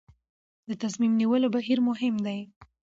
د تصمیم نیولو بهیر مهم دی